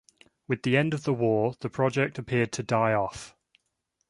With the end of the war, the Project appeared to die off.